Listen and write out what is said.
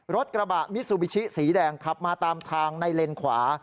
รถกระบะมิซูบิชิสีแดงขับมาตามทางในเลนขวา